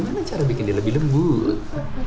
gimana cara bikin dia lebih lembut